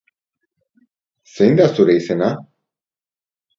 Zein da zure izena?